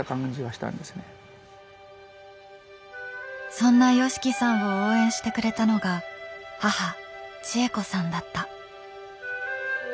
そんなＹＯＳＨＩＫＩさんを応援してくれたのが母千恵子さんだった。